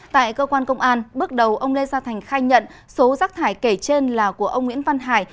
tại cơ quan công an bước đầu ông lê gia thành khai nhận số rác thải kể trên là của ông nguyễn văn hải